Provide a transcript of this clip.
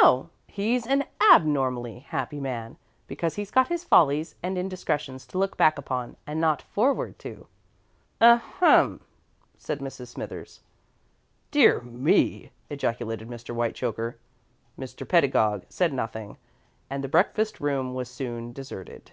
"No. He's an _ab_normally happy man, because he's got his follies and indiscretions to look back upon and not forward to." "Ahem!" said Mrs. Smithers. "Dear me!" ejaculated Mr. Whitechoker. Mr. Pedagog said nothing, and the breakfast room was soon deserted.